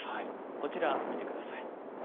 こちら見て下さい。